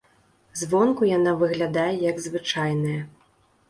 Звонку яна выглядае як звычайная.